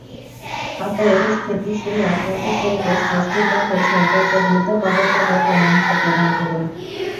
অতএব, স্থিতিশীল রাজনৈতিক পরিবেশ সৃষ্টির লক্ষ্যে সরকারকে দ্রুত পদত্যাগের পরামর্শ প্রদান করুন।